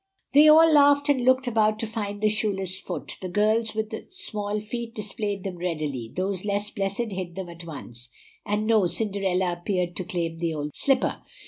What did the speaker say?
They all laughed and looked about to find the shoeless foot. The girls with small feet displayed them readily; those less blessed hid them at once, and no Cinderella appeared to claim the old slipper.